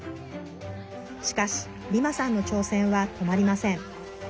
しかし、リマさんの挑戦は止まりません。